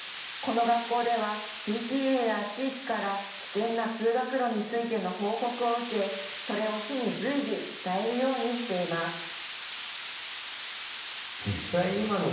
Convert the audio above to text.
この学校ではＰＴＡや地域から危険な通学路についての報告を受け、それを市に随時、伝えるようにしています。